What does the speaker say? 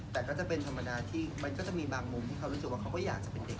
แต่ก็จะเป็นธรรมดาที่มันก็จะมีบางมุมที่เขารู้สึกว่าเขาก็อยากจะเป็นเด็ก